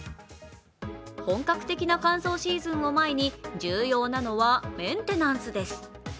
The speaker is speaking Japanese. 本格的な乾燥シーズンを前に重要なのはメンテナンスです。